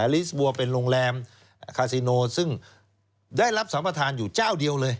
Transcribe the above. ลิสวเป็นโรงแรมคาซิโนซึ่งได้รับสัมประธานอยู่เจ้าเดียวเลย